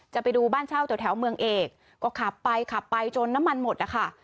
ไปดูบ้านเช่าแถวเมืองเอกก็ขับไปขับไปจนน้ำมันหมดนะคะ